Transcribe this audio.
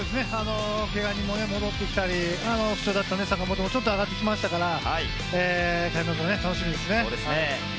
けが人も戻ってきたり、坂本も調子が上がってきましたから、開幕楽しみですね。